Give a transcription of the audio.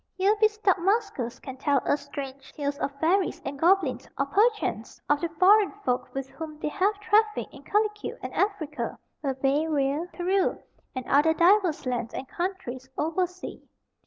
Here be stout maskers can tell us strange tales of fairies and goblins, or, perchance, of the foreign folk with whom they have trafficked in Calicute and Affrica, Barbaria, Perew, and other diverse lands and countries over sea.